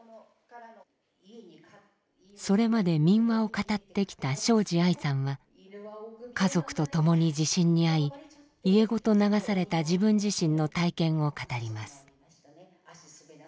それまで民話を語ってきた庄司アイさんは家族と共に地震に遭い家ごと流された自分自身の体験を語ります。